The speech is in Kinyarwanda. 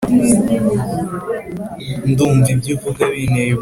Ndumva ibyo uvuga binteye ubwo